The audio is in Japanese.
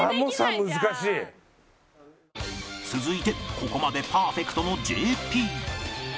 続いてここまでパーフェクトの ＪＰ